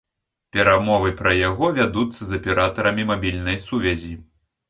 Перамовы пра яго вядуцца з аператарамі мабільнай сувязі.